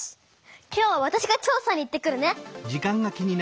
今日はわたしが調さに行ってくるね！